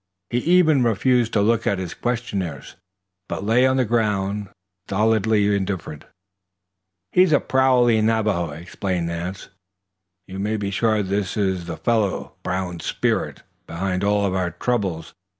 He even refused to look at his questioners, but lay on the ground, stolidly indifferent. "He's a prowling Navajo," explained Nance. "You may be sure this is the fellow, Brown's 'spirit,' behind all our troubles.